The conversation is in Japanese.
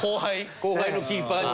後輩のキーパーに。